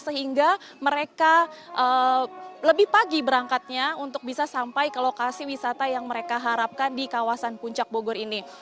sehingga mereka lebih pagi berangkatnya untuk bisa sampai ke lokasi wisata yang mereka harapkan di kawasan puncak bogor ini